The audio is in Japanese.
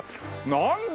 なんだ！